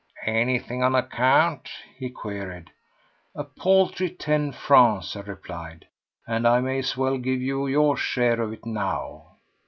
"Anything on account?" he queried. "A paltry ten francs," I replied, "and I may as well give you your share of it now."